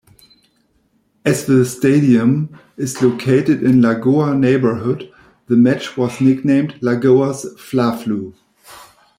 As the stadium is located in Lagoa neighborhood, the match was nicknamed "Lagoa's Fla-Flu".